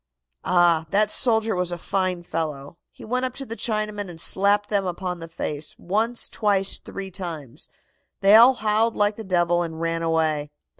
"Ah, that soldier was a fine fellow. He went up to the Chinamen and slapped them upon the face, once, twice, three times. They all howled like the devil and ran away.